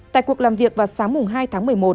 tại cuộc làm việc vào sáng hai tháng một mươi một